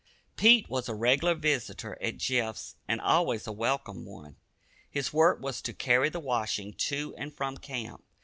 Pete was a regular visitor at Jeff's and always a welcome one. His work was to carry the washing to and from camp.